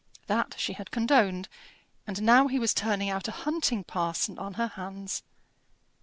That she had condoned; and now he was turning out a hunting parson on her hands.